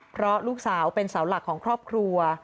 เพราะลูกสาวเป็นเสาหลักของครอบครัว